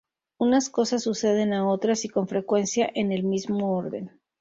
Unas cosas suceden a otras, y con frecuencia en el mismo orden.